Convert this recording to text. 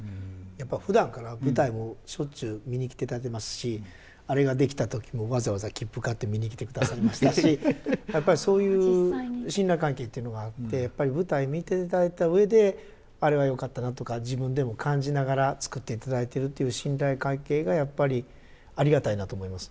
やっぱりふだんから舞台をしょっちゅう見に来ていただいてますしあれが出来た時もわざわざ切符買って見に来てくださいましたしやっぱりそういう信頼関係っていうのがあってやっぱり舞台見ていただいた上で「あれがよかったな」とか自分でも感じながら作っていただいてるっていう信頼関係がやっぱりありがたいなと思います